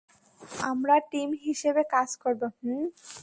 আমরা টিম হিসেবে কাজ করব, হুম?